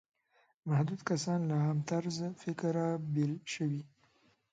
محدود کسان له عام طرز فکره بېل شوي.